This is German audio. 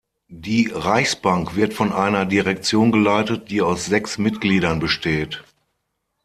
Die Reichsbank wird von einer Direktion geleitet, die aus sechs Mitgliedern besteht.